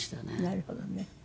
なるほどね。